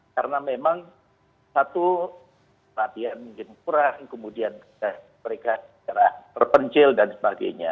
karena memang satu latihan mungkin kurang kemudian mereka secara terpencil dan sebagainya